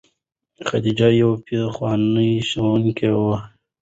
خدیجه یوه پخوانۍ ښوونکې وه.